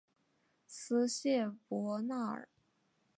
斯谢伯纳尔。